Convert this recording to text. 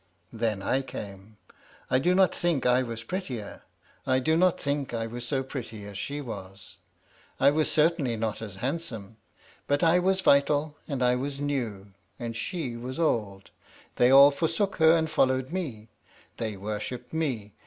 Then I came. I do not think I was prettier; I do not think I was so pretty as she was. I was certainly not as handsome. But I was vital, and I was new, and she was old they all forsook her and followed me. They worshipped me.